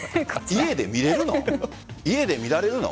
家で見られるの？